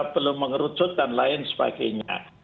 belum mengerucut dan lain sebagainya